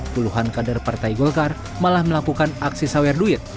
puluhan kader partai golkar malah melakukan aksi sawer duit